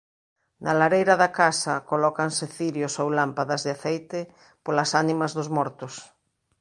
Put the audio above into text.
Na lareira da casa colócanse cirios ou lámpadas de aceite polas ánimas dos mortos.